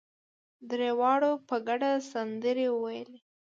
درېواړو په ګډه سندرې وويلې.